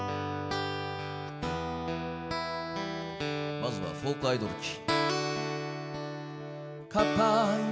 まずはフォークアイドル期。